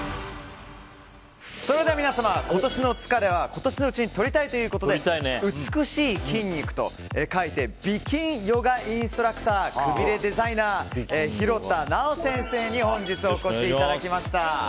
それでは皆様、今年の疲れは今年のうちにとりたいということで美しい筋肉と書いて美筋ヨガインストラクターくびれデザイナー廣田なお先生に本日お越しいただきました。